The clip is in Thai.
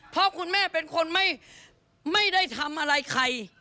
เพราะคุณแม่เป็นคนไม่ได้ทำอะไรใคร